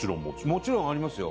もちろんありますよ。